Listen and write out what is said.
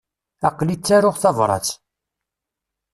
Aql-i ttaruɣ tabrat.